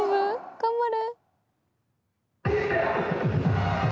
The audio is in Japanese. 頑張れ。